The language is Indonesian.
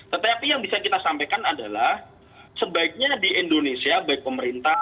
tetapi yang bisa kita sampaikan adalah sebaiknya di indonesia